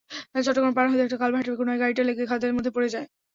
চট্টগ্রাম পার হতেই একটা কালভার্টের কোনায় গাড়িটা লেগে খাদের ভেতরে পড়ে যায়।